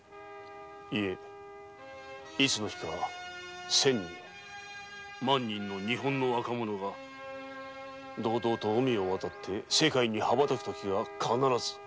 いえいつの日か千人万人の日本の若者が堂々と海を渡って世界に羽ばたくときが必ず。